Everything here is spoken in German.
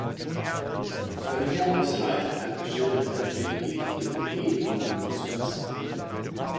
Von hier aus leitet ein beschilderter Gehweg in wenigen Minuten zum Wasserfall.